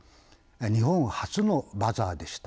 日本初のバザーでした。